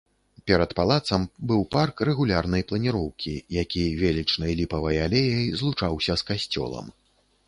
Перад палацам быў парк рэгулярнай планіроўкі, які велічнай ліпавай алеяй злучаўся з касцёлам.